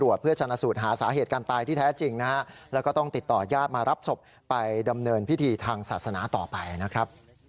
เลยมาหาเจ๊เลยเดินมา